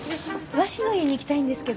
和紙の家に行きたいんですけど。